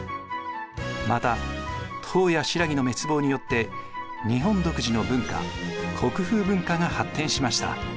また唐や新羅の滅亡によって日本独自の文化国風文化が発展しました。